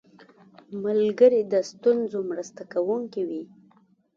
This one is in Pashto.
ملګری د ستونزو مرسته کوونکی وي